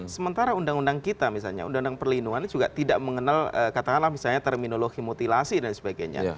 sementara undang undang kita misalnya undang undang perlindungan ini juga tidak mengenal katakanlah misalnya terminologi mutilasi dan sebagainya